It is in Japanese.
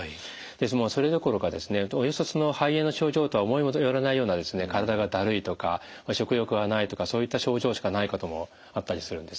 それどころかおよそ肺炎の症状とは思いも寄らないような体がだるいとか食欲がないとかそういった症状しかないこともあったりするんです。